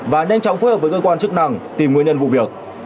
và nhanh chóng phối hợp với cơ quan chức năng tìm nguyên nhân vụ việc